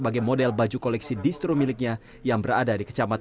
bahkan awak media dilarang mengambil gambar